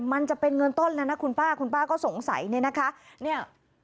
มันจะเป็นเงินต้นแล้วนะคุณป้าคุณป้าก็สงสัยเนี่ยนะคะเนี่ย